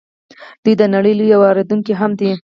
دوی د نړۍ لوی واردونکی هم دي.